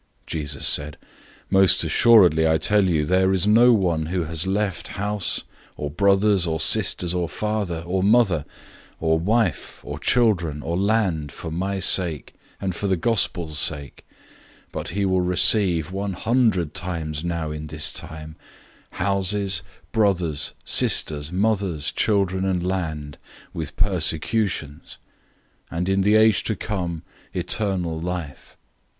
010:029 Jesus said, "Most certainly I tell you, there is no one who has left house, or brothers, or sisters, or father, or mother, or wife, or children, or land, for my sake, and for the sake of the Good News, 010:030 but he will receive one hundred times more now in this time, houses, brothers, sisters, mothers, children, and land, with persecutions; and in the age to come eternal life.